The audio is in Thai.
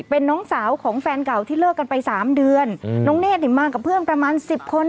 เป็นน้องสาวของแฟนเก่าที่เลิกกันไปสามเดือนน้องเนธเนี่ยมากับเพื่อนประมาณสิบคน